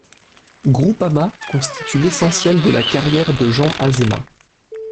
Groupama constitue l’essentiel de la carrière de Jean Azéma.